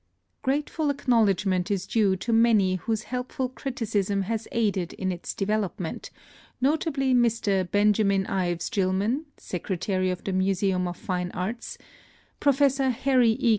Grateful acknowledgment is due to many whose helpful criticism has aided in its development, notably Mr. Benjamin Ives Gilman, Secretary of the Museum of Fine Arts, Professor Harry E.